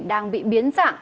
đang bị biến dạng